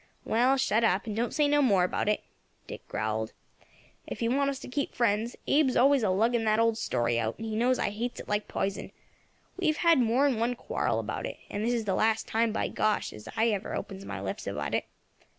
"Well, shut up, and don't say no more about it," Dick growled, "ef you want us to keep friends. Abe's always a lugging that old story out, and he knows as I hates it like pizen. We have had more than one quarrel about it, and this is the last time, by gosh, as ever I opens my lips about it.